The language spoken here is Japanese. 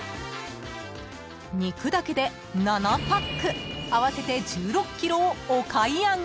［肉だけで７パック合わせて１６ｋｇをお買い上げ］